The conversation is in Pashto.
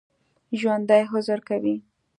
ژوندي عذر کوي